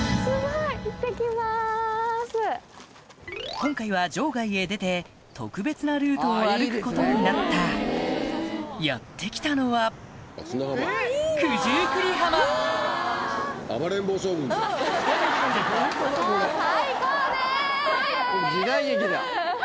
今回は場外へ出て特別なルートを歩くことになったやって来たのはハハハ！